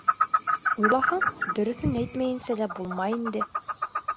Уйлаһаң, дөрөҫөн әйтмәйенсә лә булмай инде.